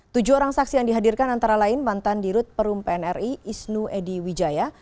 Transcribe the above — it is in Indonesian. tujuh orang saksi yang dihadirkan antara lain mantan dirut perum pnri isnu edy wijaya